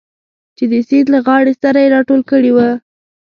چې د سیند له غاړې سره یې راټول کړي و.